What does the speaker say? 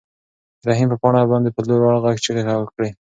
رحیم په پاڼه باندې په لوړ غږ چیغې کړې.